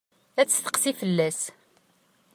Ad tesseqsi fell-as.